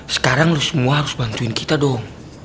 sekarang lo semua harus bantuin kita dong